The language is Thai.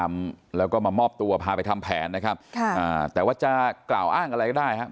มอบตัวพาไปทำแผนนะครับแต่ว่าจะกล่าวอ้างอะไรก็ได้ครับ